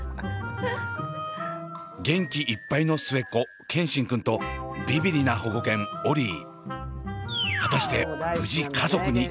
元気いっぱいの末っ子健新くんとビビリな保護犬オリィ。